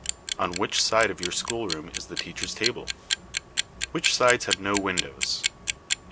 On which side of your schoolroom is the teacher's table? Which sides have no windows?